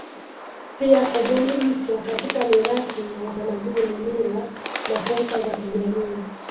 Pia kubuni mpya katika mirathi ya utamaduni mila na khulka za kijamii